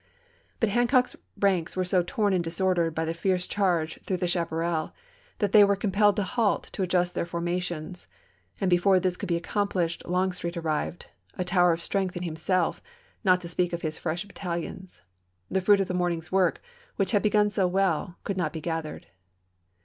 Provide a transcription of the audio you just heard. But Hancock's ranks were so torn and disordered by the fierce charge through the chaparral, that they were compelled to halt to adjust their forma tions, and before this could be accomplished Long street arrived — a tower of strength in himself, not to speak of his fresh battalions. The fruit of the morning's work, which had begun so well, could not be gathered.